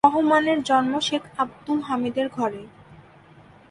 রহমানের জন্ম শেখ আবদুল হামিদের ঘরে।